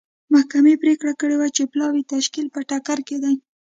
محکمې پرېکړه کړې وه چې پلاوي تشکیل په ټکر کې دی.